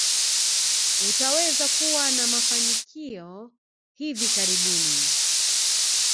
Utaweza kuwa na mafanikia hivi karibuni.